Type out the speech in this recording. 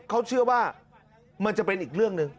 เขาเชื่อว่ามันจะเป็นอีกเรื่องหนึ่ง